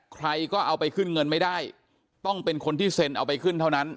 ใครก็เอาไปขึ้นเงินไม่ได้ต้องเป็นคนที่เซ็นเอาไปขึ้นเท่านั้น